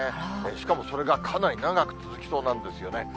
しかもそれがかなり長く続きそうなんですよね。